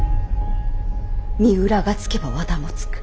三浦がつけば和田もつく。